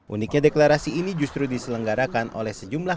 uniknya deklarasi ini justru diselenggarakan oleh sejumlah